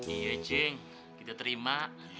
iya ceng kita terima